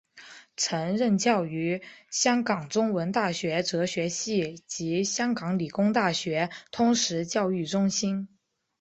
曾任教于香港中文大学哲学系及香港理工大学通识教育中心。